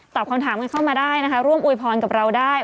คำถามกันเข้ามาได้นะคะร่วมอวยพรกับเราได้